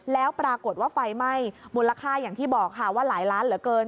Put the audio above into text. แล้วปรากฏว่าไฟไหม้มูลค่าอย่างที่บอกค่ะว่าหลายล้านเหลือเกิน